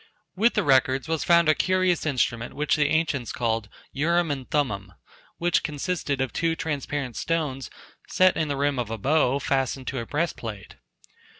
With the records was found a curious instrument which the ancients called "Urim and Thummim," which consisted of two transparent stones set in the rim of a bow fastened to a breastplate.